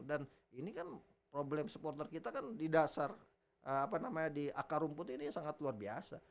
dan ini kan problem supporter kita kan di dasar apa namanya di akar rumput ini sangat luar biasa